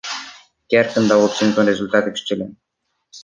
Chiar cred că au obținut un rezultat excelent.